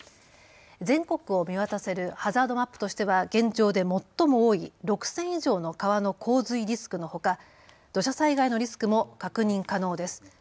全国を見渡せるハザードマップとしては現状で最も多い６０００以上の川の洪水リスクのほか、土砂災害のリスクも確認可能です。